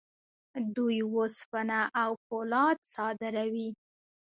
دوی وسپنه او فولاد صادروي.